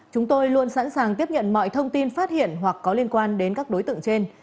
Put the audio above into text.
chúng tôi luôn sẵn sàng tiếp nhận mọi thông tin phát hiện hoặc có liên quan đến các đối tượng trên